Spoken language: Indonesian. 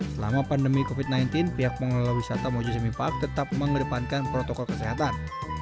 selama pandemi covid sembilan belas pihak pengelola wisata mojo semi park tetap mengedepankan protokol kesehatan